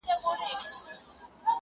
o ما خو څو واره ازمويلى كنه ـ